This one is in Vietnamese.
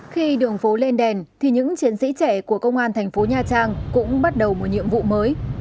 khi đường phố lên đèn thì những chiến sĩ trẻ của công an thành phố nha trang cũng bắt đầu một nhiệm vụ mới